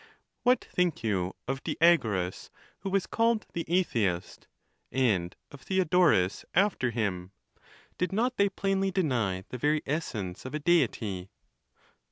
What think you of Diagoras, who was called the atheist ; and of Theodoras after him ? Did not they plainly deny the very essence of a Deity